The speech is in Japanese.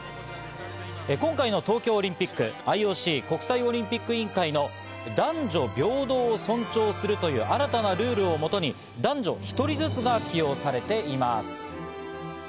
今回の東京オリンピック、ＩＯＣ＝国際オリンピック委員会の男女平等を尊重するという新たなルールをもとに、男女１人ずつが起用されています。